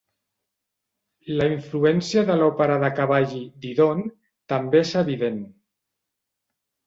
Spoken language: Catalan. La influència de l'òpera de Cavalli "Didone" també és evident.